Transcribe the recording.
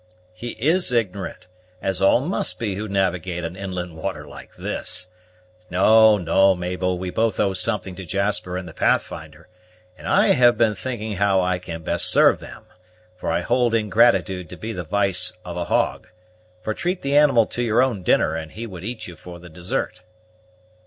"He is ignorant, as all must be who navigate an inland water like this. No, no, Mabel; we both owe something to Jasper and the Pathfinder, and I have been thinking how I can best serve them, for I hold ingratitude to be the vice of a hog; for treat the animal to your own dinner, and he would eat you for the dessert."